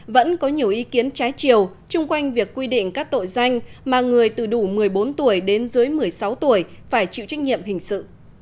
vẫn có nhiều ý kiến trái chiều chung quanh việc quy định các tội danh mà người từ đủ một mươi bốn tuổi đến dưới một mươi sáu tuổi phải chịu trách nhiệm hình sự